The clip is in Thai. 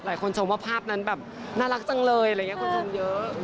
ชมว่าภาพนั้นแบบน่ารักจังเลยอะไรอย่างนี้คนชมเยอะ